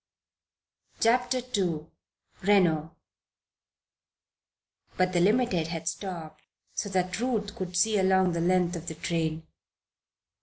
CHAPTER II RENO But the Limited had stopped so that Ruth could see along the length of the train.